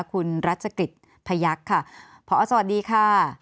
คุณรัชกฤษพยักษ์ค่ะพอสวัสดีค่ะ